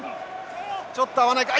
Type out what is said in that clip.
ちょっと合わないか。